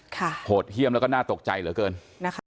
ค่ะโหดเฮี่ยมแล้วก็น่าตกใจเหรอเกินนะครับ